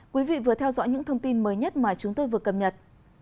quý vị vừa theo dõi những thông tin mới nhất mà chúng tôi vừa cập nhật